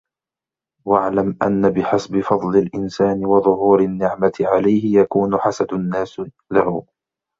وَاعْلَمْ أَنَّ بِحَسَبِ فَضْلِ الْإِنْسَانِ وَظُهُورِ النِّعْمَةِ عَلَيْهِ يَكُونُ حَسَدُ النَّاسِ لَهُ